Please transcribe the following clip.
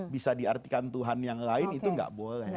bisa diartikan tuhan yang lain itu nggak boleh